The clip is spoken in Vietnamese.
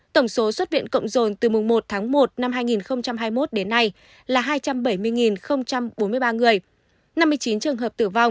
tổng số xuất viện cộng rồn từ mùng một tháng một năm hai nghìn hai mươi một đến nay là hai trăm bảy mươi bốn mươi ba người năm mươi chín trường hợp tử vong